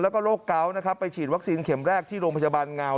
แล้วก็โรคเกาะนะครับไปฉีดวัคซีนเข็มแรกที่โรงพยาบาลเงา